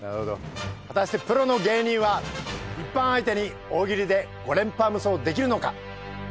果たしてプロの芸人は一般相手に大喜利で５連覇無双できるのか！？